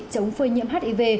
chống phơi nhiễm hiv